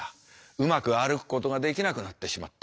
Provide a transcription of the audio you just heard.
うまく歩くことができなくなってしまった。